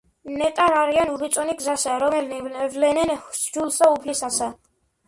ნეტარ არიან უბიწონი გზასა, რომელნი ვლენან ჰსჯულსა უფლისასა.